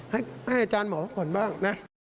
ให้อาจารย์หมอก่อนบ้างนะ